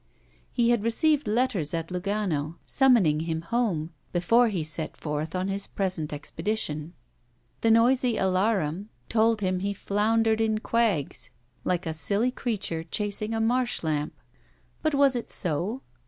He had received letters at Lugano, summoning him home, before he set forth on his present expedition. The noisy alarum told him he floundered in quags, like a silly creature chasing a marsh lamp. But was it so?